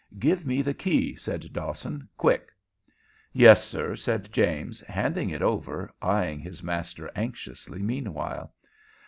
"Give me the key," said Dawson. "Quick!" "Yes, sir," said James, handing it over, eying his master anxiously meanwhile.